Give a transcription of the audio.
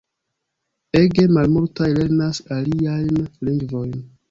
Ege malmultaj lernas aliajn lingvojn.